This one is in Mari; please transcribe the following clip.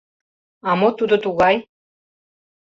— А мо тудо тугай?